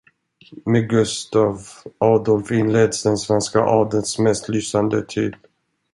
Med Gustaf Adolf inleds den svenska adelns mest lysande tid.